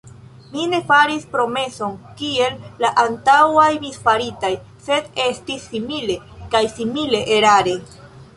Mi ne faris promeson kiel la antaŭaj misfaritaj; sed estis simile, kaj simile erare.